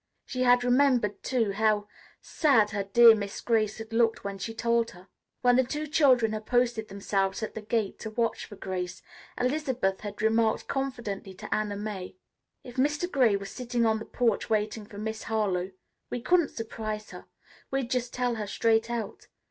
She had remembered, too, how sad her dear Miss Grace had looked when she told her. When the two children had posted themselves at the gate to watch for Grace, Elizabeth had remarked confidentially to Anna May, "If Mr. Gray was sitting on the porch waiting for Miss Harlowe, we couldn't surprise her. We'd just tell her straight out.